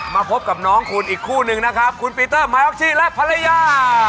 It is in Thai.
มาพบกับน้องคุณอีกคู่นึงคุณพีเตอร์ไมอ๊กชิและภรรยา